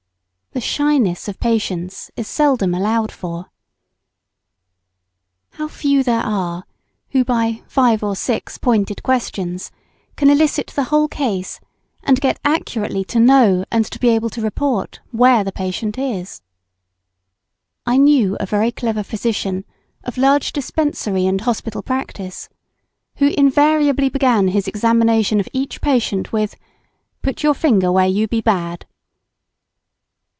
The shyness of patients is seldom allowed for. How few there are who, by five or six pointed questions, can elicit the whole case, and get accurately to know and to be able to report where the patient is. [Sidenote: Means of obtaining inaccurate information.] I knew a very clever physician, of large dispensary and hospital practice, who invariably began his examination of each patient with "Put your finger where you be bad."